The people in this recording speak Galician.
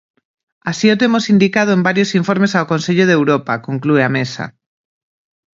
Así o temos indicado en varios informes ao Consello de Europa, conclúe A Mesa.